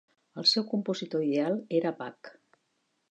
El seu compositor ideal era Bach.